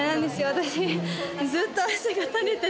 私ずっと汗が垂れてて。